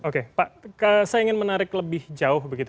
oke pak saya ingin menarik lebih jauh begitu